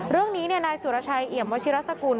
เรื่องนี้นายสุรชัยเอี่ยมวชิรสกุล